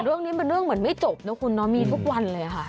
เรื่องนี้เป็นเรื่องไม่เห็นจบเนอะคุณมีทุกวันเลยค่ะ